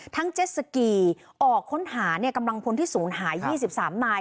ทั้งเจสสกีออกค้นหาเนี่ยกำลังพลที่ศูนย์หา๒๓นาย